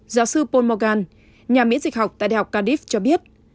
giáo sư paul morgan nhà miễn dịch học tại đại học cardiff cho biết